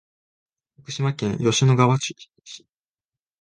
徳島県吉野川市